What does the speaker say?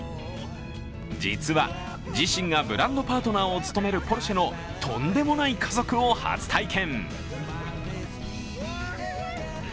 実は自身がブランドパートナーを務めるポルシェのとんでもない加速を初体験。